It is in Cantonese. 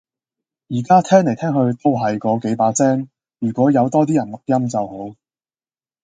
而家聽嚟聽去都係嗰幾把聲，如果有多啲人錄音就好